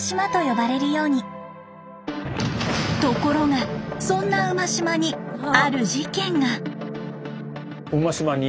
ところがそんな馬島にある事件が！